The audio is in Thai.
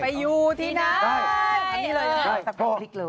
ไปอยู่ที่ไหน